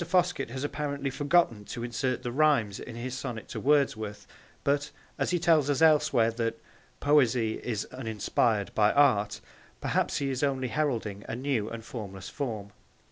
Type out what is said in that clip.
Foskett has apparently forgotten to insert the rhymes in his sonnet to Wordsworth; but, as he tells us elsewhere that 'Poesy is uninspired by Art,' perhaps he is only heralding a new and formless form.